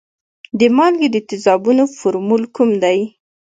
د مالګې د تیزابونو فورمول کوم دی؟